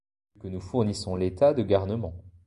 Vu que nous fournissons l’état de garnements.